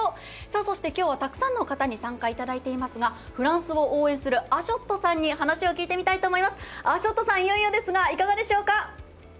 そして、今日はたくさんの方に応援していただいていますがフランスを応援するアショッドさんにお話を聞きたいと思います。